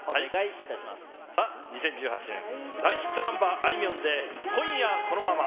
さあ２０１８年、大ヒットナンバー、あいみょんで、今夜このまま。